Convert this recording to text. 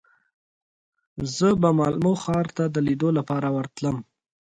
زه به مالمو ښار ته د لیدو لپاره ورتلم.